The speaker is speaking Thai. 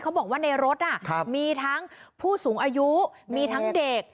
เขาบอกว่าในรถมีทั้งผู้สูงอายุมีทั้งเด็ก